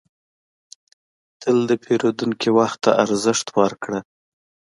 تل د پیرودونکي وخت ته ارزښت ورکړه.